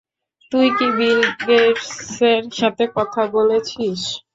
তুই কি বিল গেটসের সাথে কথা বলেছিস?